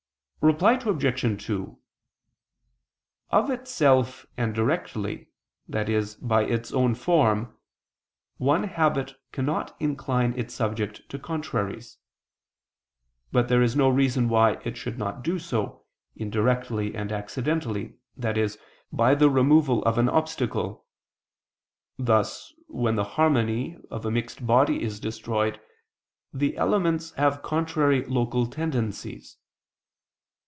Reply Obj. 2: Of itself and directly, i.e. by its own form, one habit cannot incline its subject to contraries. But there is no reason why it should not do so, indirectly and accidentally, i.e. by the removal of an obstacle: thus, when the harmony of a mixed body is destroyed, the elements have contrary local tendencies.